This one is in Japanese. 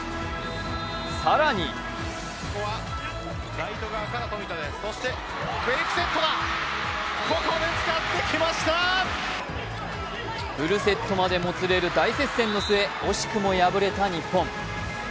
更にフルセットまでもつれる大接戦の末、惜しくも敗れた日本。